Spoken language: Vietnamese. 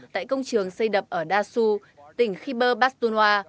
tại công trường xây đập ở dasu tỉnh khyber bastunwa